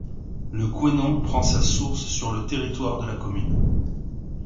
Le Couesnon prend sa source sur le territoire de la commune.